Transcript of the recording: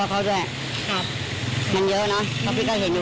มันจะใช้ชีวิตลำบากขึ้นหน่อยนึง